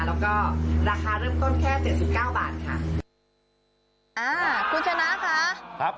แล้วก็ราคาเริ่มต้นแค่เจ็ดสิบเก้าบาทค่ะอ่าคุณชนะค่ะครับ